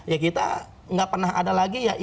ya kita gak pernah ada lagi